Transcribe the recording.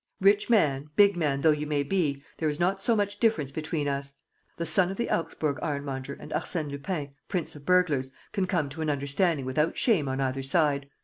Rich man, big man though you may be, there is not so much difference between us. The son of the Augsburg ironmonger and Arsène Lupin, prince of burglars, can come to an understanding without shame on either side.